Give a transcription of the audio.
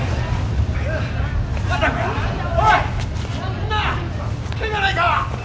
みんなけがないか！